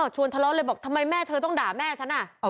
ชวนทะเลาะเลยบอกทำไมแม่เธอต้องด่าแม่ฉัน